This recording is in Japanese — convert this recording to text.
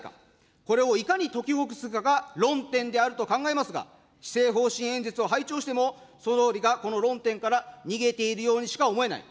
これをいかに解きほぐすかが論点であると考えますが、施政方針演説を拝聴しても、総理が論点から逃げているようにしか思えない。